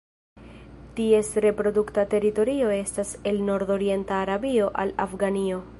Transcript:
Ties reprodukta teritorio estas el nordorienta Arabio al Afganio.